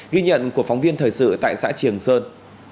ghi nhận của phóng viên thời sự tại xã triềng sơn